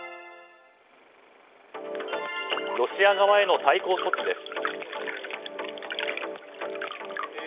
ロシア側への対抗措置です。